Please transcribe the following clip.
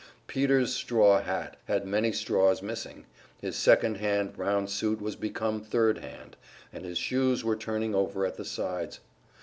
Peters' straw hat had many straws missing, his second hand brown suit was become third hand, and his shoes were turning over at the sides.